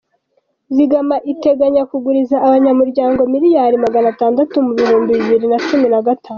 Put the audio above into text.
Zigama iteganya kuguriza abanyamuryango miliyari Magana atandatu mu bihumbi bibiri na cumi nagatatu